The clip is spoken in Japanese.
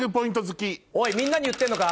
おいみんなに言ってんのか？